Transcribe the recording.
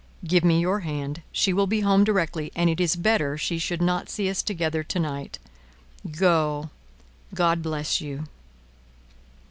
"Give me your hand. She will be home directly, and it is better she should not see us together to night. Go! God bless you!"